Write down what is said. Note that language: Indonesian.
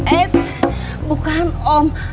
eh bukan om